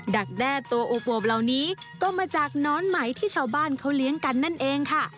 ักแด้ตัวอวบเหล่านี้ก็มาจากน้อนไหมที่ชาวบ้านเขาเลี้ยงกันนั่นเองค่ะ